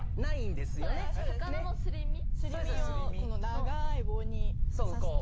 長い棒に刺して。